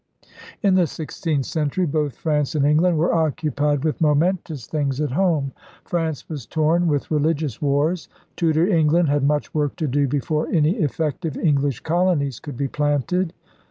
In the sixteenth century both France and Eng land were occupied with momentous things at 20 ELIZABETHAN SEA DOGS home. France was torn with religious wars. Tudor England had much work to do before any effective English colonies could be planted.